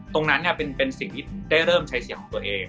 ตรงนั้นเป็นสิ่งที่ได้เริ่มใช้เสียงของตัวเอง